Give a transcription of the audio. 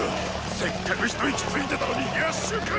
せっかく一息ついてたのに夜襲かよっ！